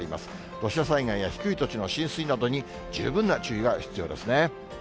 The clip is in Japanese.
土砂災害や低い土地の浸水などに十分な注意が必要ですね。